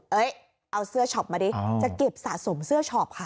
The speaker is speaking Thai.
เอาเสื้อช็อปมาดิจะเก็บสะสมเสื้อช็อปค่ะ